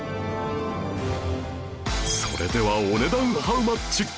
それではお値段ハウマッチ？